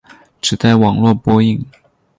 只在网络播映。